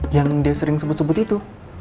yang dia sering sebut sebut itu